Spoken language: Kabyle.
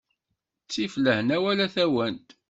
Ttif lehna wala tawant.